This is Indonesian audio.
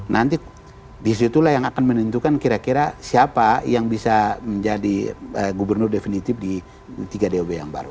nanti disitulah yang akan menentukan kira kira siapa yang bisa menjadi gubernur definitif di tiga dob yang baru